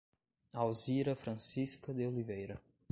Alzira Francisca de Oliveira